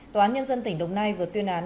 tòa án nhân dân tỉnh đồng nai vừa tuyên án